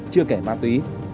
chưa kể ma túy